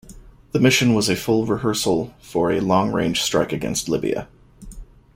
The mission was a full rehearsal for a long-range strike against Libya.